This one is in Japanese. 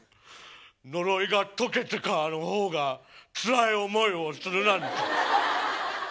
呪いが解けてからの方がつらい思いをするなんて。